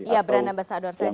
ya brand ambassador saja ya